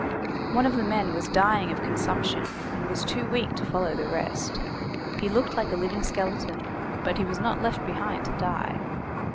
One of the men was dying of consumption, and was too weak to follow the rest. He looked like a living skeleton, but he was not left behind to die.